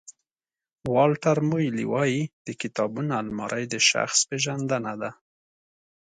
والټر مویلي وایي د کتابونو المارۍ د شخص پېژندنه ده.